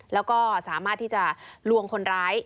แล้วก็สามารถที่จะลวงคนร้าย